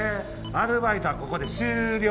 アルバイトはここで終了。